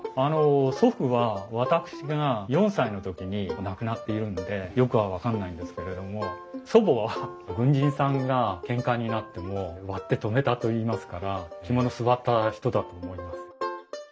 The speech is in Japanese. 祖父は私が４歳の時に亡くなっているのでよくは分かんないんですけれども祖母は軍人さんがけんかになっても割って止めたといいますから肝の据わった人だと思います。